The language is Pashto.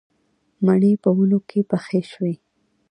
مڼې په ونو کې پخې شوې